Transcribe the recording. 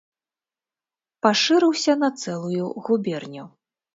Пашырыўся на цэлую губерню.